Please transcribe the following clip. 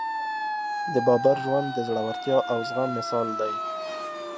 د بابر ژوند د زړورتیا او زغم مثال دی.